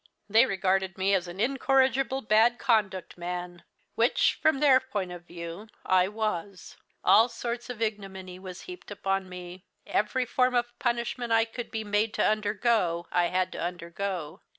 They regarded me as an incorrigible bad conduct man which, from their point of view, I was. All sorts of ignominy was heaped on me. Every form of punishment I could be made to undergo I had to undergo.